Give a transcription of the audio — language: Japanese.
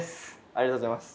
ありがとうございます。